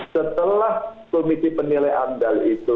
setelah komisi penilai amdal itu